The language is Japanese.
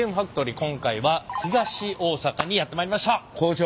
今回は東大阪にやって参りました！